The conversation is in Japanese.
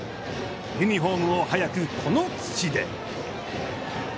ユニホームを早くこの土で。